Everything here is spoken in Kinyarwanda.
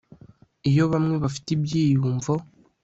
iyo bamwe bafite ibyiyumvo